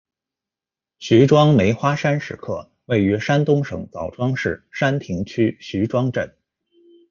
徐庄梅花山石刻，位于山东省枣庄市山亭区徐庄镇。